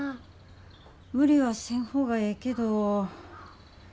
無理はせん方がええけど。